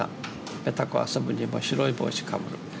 ペタコ遊ぶにも白い帽子かぶる。